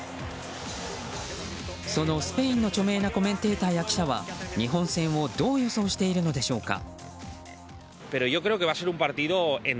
そのスペインの著名なコメンテーターや記者は日本戦をどう予想しているのでしょうか。